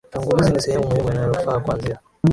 utangulizi ni sehemu muhimu inayofaa kuanzia